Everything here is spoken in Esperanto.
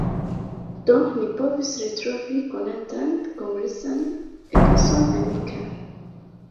Do ni povis retrovi konatan kongresan etoson amikan.